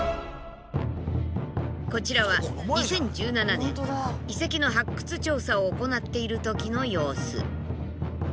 こちらは２０１７年遺跡の発掘調査を行っている時の様子。